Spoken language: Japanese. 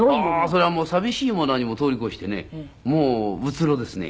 それはもう寂しいも何も通り越してねもううつろですね。